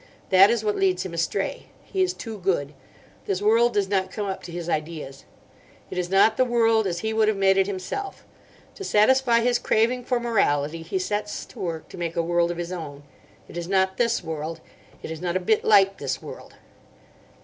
That is what leads him astray: he is too good. This world does not come up to his ideas. It is not the world as he would have made it himself. To satisfy his craving for morality he sets to work to make a world of his own. It is not this world. It is not a bit like this world.